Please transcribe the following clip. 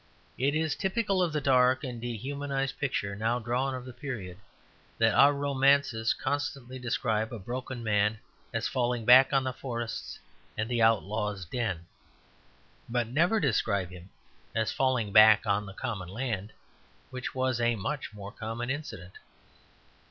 It is typical of the dark and dehumanized picture now drawn of the period that our romances constantly describe a broken man as falling back on the forests and the outlaw's den, but never describe him as falling back on the common land, which was a much more common incident.